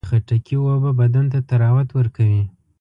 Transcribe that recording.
د خټکي اوبه بدن ته طراوت ورکوي.